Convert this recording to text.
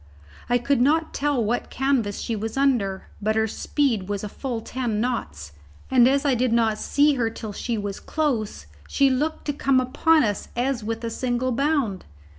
I could not tell what canvas she was under, but her speed was a full ten knots, and as I did not see her till she was close, she looked to come upon us as with a single bound.